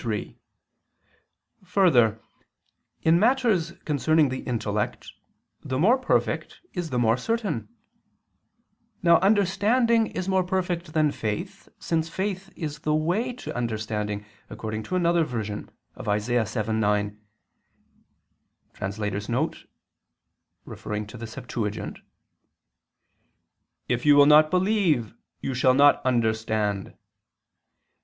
3: Further, in matters concerning the intellect, the more perfect is the more certain. Now understanding is more perfect than faith, since faith is the way to understanding, according to another version [*The Septuagint] of Isa. 7:9: "If you will not believe, you shall not understand [Vulg.